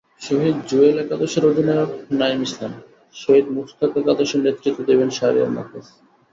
শহীদ জুয়েল একাদশের অধিনায়কনাঈম ইসলাম, শহীদ মুশতাক একাদশের নেতৃত্ব দেবেন শাহরিয়ার নাফীস।